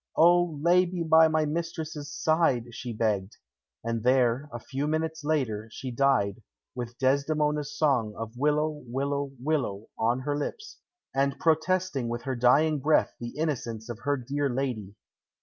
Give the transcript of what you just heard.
"O, lay me by my mistress's side!" she begged. And there, a few minutes later, she died, with Desdemona's song of "Willow, willow, willow" on her lips, and protesting with her dying breath the innocence of her dear lady.